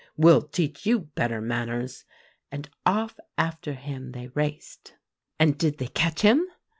'We'll teach you better manners;' and off after him they raced." "And did they catch him?"